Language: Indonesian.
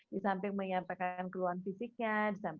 disamping menyampaikan keluhan fisiknya